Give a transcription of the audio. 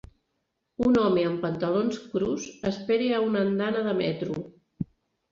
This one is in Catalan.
Un home amb pantalons crus espera a una andana de metro.